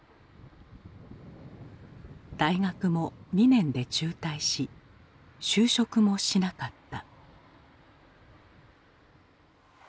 大学も２年で中退し就職もしなかった。